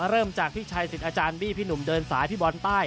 เริ่มจากพี่ชัยสิทธิ์อาจารย์บี้พี่หนุ่มเดินสายพี่บอลใต้